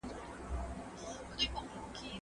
د هغوی په مرسته دې پر ټول خراسان بشپړه واکمني وچلوي.